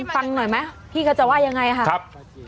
ฟังหน่อยมั้ยพี่ก็จะว่ายังไงครับ